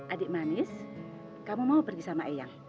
adik manis kamu mau pergi sama ayah